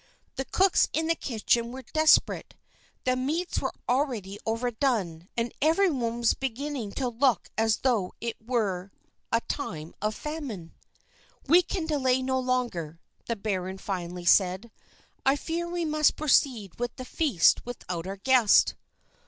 The cooks in the kitchen were desperate. The meats were already overdone, and every one was beginning to look as though it were a time of famine. "We cannot delay longer," the baron finally said. "I fear we must proceed with the feast without our guest."